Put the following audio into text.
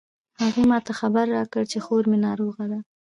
هغې ما ته خبر راکړ چې خور می ناروغه ده